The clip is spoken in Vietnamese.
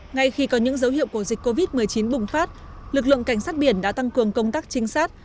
ngay khi có những dấu hiệu của dịch covid một mươi chín bùng phát lực lượng cảnh sát biển đã tăng cường công tác trinh sát